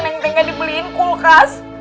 neng ga dibeliin kulkas